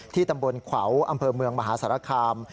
ที่ตำบลเขาอำเภอเมืองมหาศาลคาม